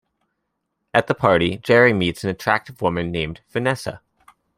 At the party, Jerry meets an attractive woman named Vanessa.